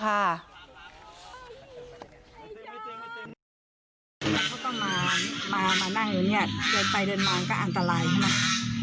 เขาก็มานั่งอยู่เนี่ยเดินไปเดินมาก็อันตรายใช่ไหม